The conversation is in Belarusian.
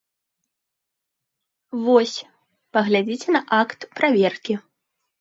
Вось, паглядзіце на акт праверкі.